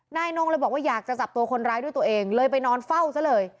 นายนงเลยบอกว่าอยากจะจับตัวคนร้ายด้วยตัวเองเลยไปนอนเฝ้าซะเลย